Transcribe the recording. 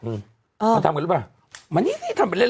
มาทำกันรึเปล่ามานี้นี้ทำไปเล่น